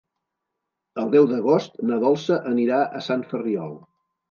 El deu d'agost na Dolça anirà a Sant Ferriol.